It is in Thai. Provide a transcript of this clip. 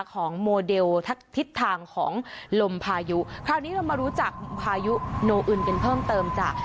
ของโมเดลทิศทางของลมพายุคราวนี้เรามารู้จักพายุโนอึนกันเพิ่มเติมจาก